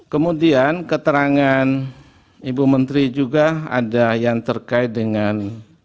kemudian keterangan ibu menteri juga ada yang terkait dengan